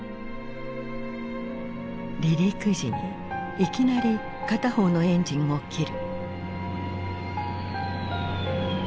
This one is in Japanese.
離陸時にいきなり片方のエンジンを切る。